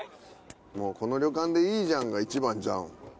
「もうこの旅館でいいじゃん」が一番ちゃうん？